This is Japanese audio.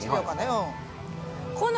うん。